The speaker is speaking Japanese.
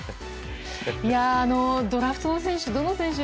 ドラフトの選手